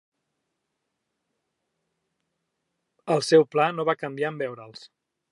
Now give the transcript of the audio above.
El seu pla no va canviar en veure'ls.